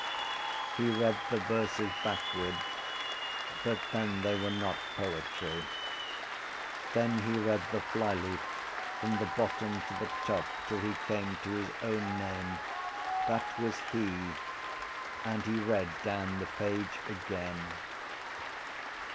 He read the verses backwards but then they were not poetry. Then he read the flyleaf from the bottom to the top till he came to his own name. That was he: and he read down the page again.